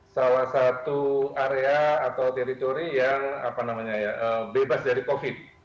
salah satu area atau teritori yang bebas dari covid